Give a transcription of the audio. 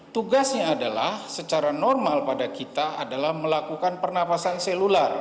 tugasnya adalah secara normal pada kita adalah melakukan pernafasan selular